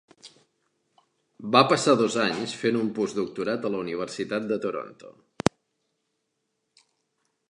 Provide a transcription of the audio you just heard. Va passar dos anys fent un postdoctorat a la Universitat de Toronto.